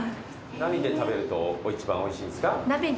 何で食べると一番おいしいですか？